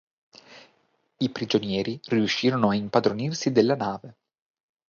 I prigionieri riuscirono a impadronirsi della nave.